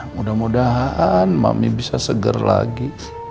mudah mudahan mami bisa seger lagi